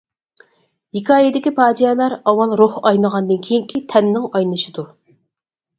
ھېكايىدىكى پاجىئەلەر ئاۋۋال روھ ئاينىغاندىن كېيىنكى تەننىڭ ئاينىشىدۇر.